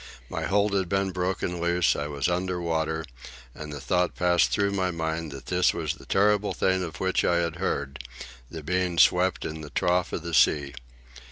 My hold had been broken loose, I was under water, and the thought passed through my mind that this was the terrible thing of which I had heard, the being swept in the trough of the sea.